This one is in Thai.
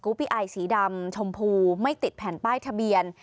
ปีไอสีดำชมพูไม่ติดแผ่นป้ายทะเบียน